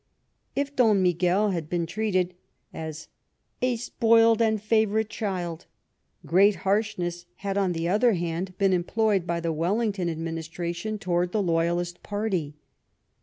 If Dom Miguel had been treated as " a spoiled and favourite child," great harshness had, on the other hand^ been employed by the Wellington administration towards the Loyalist party.